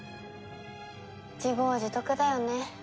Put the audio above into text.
自業自得だよね。